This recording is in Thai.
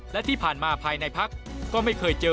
และที่ผ่านมาภายในพักก็ไม่เคยเจอ